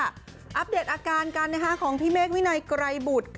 อัปเดตอาการกันนะคะของพี่เมฆวินัยไกรบุตร